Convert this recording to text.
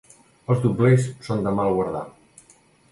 Els doblers són de mal guardar.